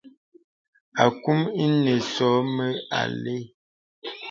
Akūm ìyìŋ ǹsɔ̀ mə àlɛ̂.